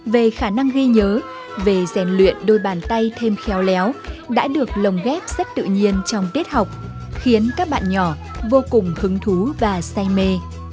về khả năng ghi nhớ về rèn luyện đôi bàn tay thêm khéo léo đã được lồng ghép rất tự nhiên trong tiết học khiến các bạn nhỏ vô cùng hứng thú và say mê